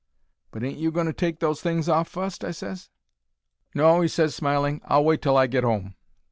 "But ain't you going to take those things off fust?" I ses. "No," he ses, smiling. "I'll wait till I get 'ome.